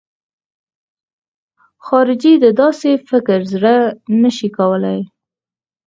خارجي د داسې فکر زړه نه شي کولای.